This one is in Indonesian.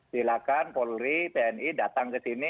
silakan polri tni datang ke sini